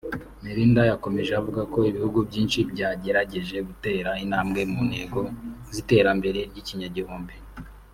Melinda yakomeje avuga ko ibihugu byinshi byagerageje gutera intambwe mu ntego z’iterambere ry’ikinyagihumbi